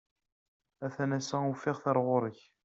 A-t-an ass-a ufiɣ-t ɣer ɣur-k.